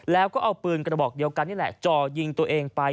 แล้วก็เอาปืนกระบอกเดียวกันนี่แหละจ่อยิงตัวเองไป